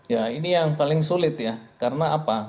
ya ini yang paling sulit ya karena apa